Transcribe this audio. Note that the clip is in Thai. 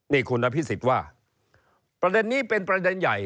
นี่คุณอภิษฎว่าประเด็นนี้เป็นประเด็นใหญ่